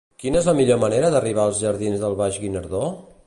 Quina és la millor manera d'arribar als jardins del Baix Guinardó?